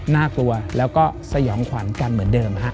น่ากลัวแล้วก็สยองขวัญกันเหมือนเดิมฮะ